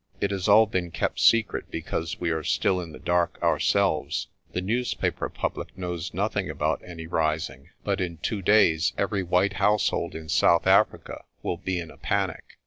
It has all been kept secret, because we are still in the dark ourselves. The news paper public knows nothing about any rising, but in two days every white household in South Africa will be in a panic.